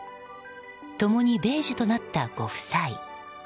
共に米寿となったご夫妻。